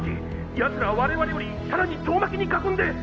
奴ら我々よりさらに遠巻きに囲んで。